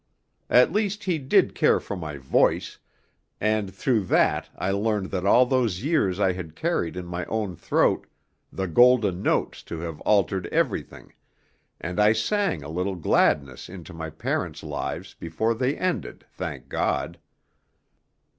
At least he did care for my voice, and through that I learned that all those years I had carried in my own throat the golden notes to have altered everything, and I sang a little gladness into my parents' lives before they ended, thank God."